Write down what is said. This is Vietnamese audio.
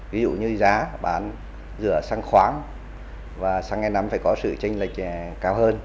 ví dụ như giá bán rửa xăng khoáng và xăng e năm phải có sự tranh lệch cao hơn